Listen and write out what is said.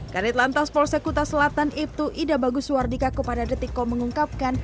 kanit lantas polsek kuta selatan ibtu ida bagusuwardika kepada detikkom mengungkapkan